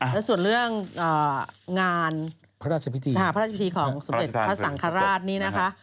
และส่วนเรื่องงานพระราชพิธีของสมเด็จพระสังฆราชนี่นะคะ